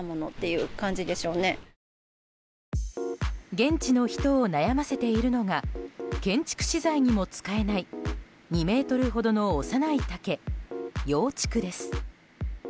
現地の人を悩ませているのが建築資材にも使えない２ｍほどの幼い竹、幼竹です。